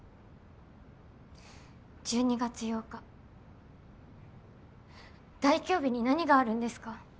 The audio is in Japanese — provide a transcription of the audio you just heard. １２月８日大凶日に何があるんですか？